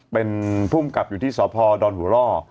เป็นภูมิกับอยู่ที่สพดอนหัวล่อ